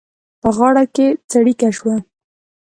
په غاړه کې څړيکه شوه.